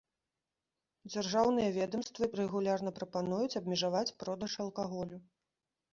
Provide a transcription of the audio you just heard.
Дзяржаўныя ведамствы рэгулярна прапануюць абмежаваць продаж алкаголю.